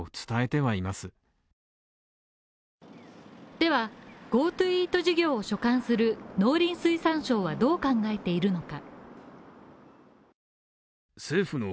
では、ＧｏＴｏイート事業を所管する農林水産省はどう考えているのか。